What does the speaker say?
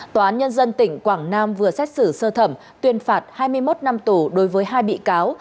tòa án nhân dân tỉnh quảng nam vừa xét xử sơ thẩm tuyên phạt hai mươi một năm tù đối với hai bị cáo